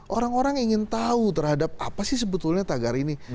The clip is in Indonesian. orang orang ingin tahu terhadap apa sih sebetulnya tagar ini